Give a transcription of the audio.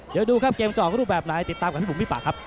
เดี๋ยวดูครับเกมจะออกรูปแบบไหนติดตามกับพี่บุ๋มพี่ป่าครับ